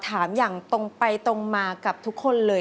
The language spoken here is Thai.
สามารถรับชมได้ทุกวัย